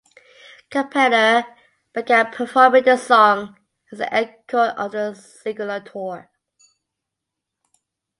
Carpenter began performing the song as an encore of the Singular Tour.